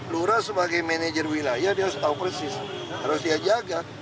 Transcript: lura sebagai manajer wilayah dia harus tahu persis harus dia jaga